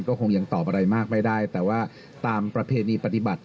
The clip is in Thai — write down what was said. ก็คงยังตอบอะไรมากไม่ได้แต่ว่าตามประเพณีปฏิบัติ